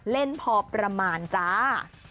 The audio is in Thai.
เล่นพอประมาณจ้า